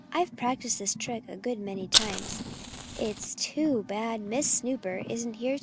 I've practiced this trick a good many times.... It's too bad Miss Snooper isn't here to see it."